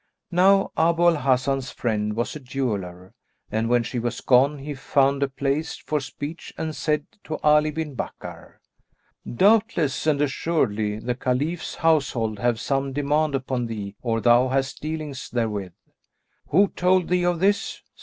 Now Abu al Hasan's friend was a jeweller,[FN#205] and when she was gone, he found a place for speech and said to Ali bin Bakkar, "Doubtless and assuredly the Caliph's household have some demand upon thee or thou hast dealings therewith?" "Who told thee of this?"